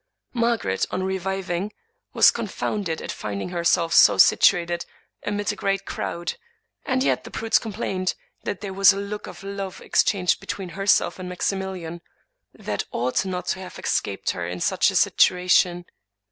Margaret, on reviving, was confounded at finding herself so situated amid a great crowd; and yet the prudes com plained that there was a look of love exchanged between herself and Maximilian, that ought not to have escaped her in such a situation.